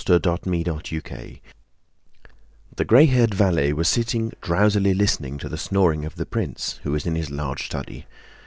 CHAPTER XXVI The gray haired valet was sitting drowsily listening to the snoring of the prince, who was in his large study.